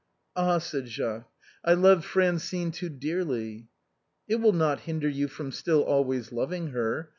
"Ah !" said Jacques, " I loved Francine too dearly." " It will not hinder you fTom still always loving her.